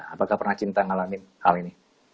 apakah pernah cinta ngalamin hal ini